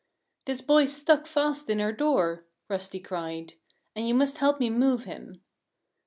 "This boy's stuck fast in our door," Rusty cried. "And you must help me move him."